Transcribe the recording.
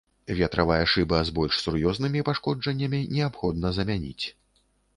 Ветравая шыба з больш сур'ёзнымі пашкоджаннямі неабходна замяніць.